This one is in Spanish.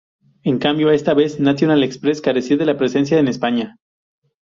En cambio, esta vez National Express carecía de presencia en España.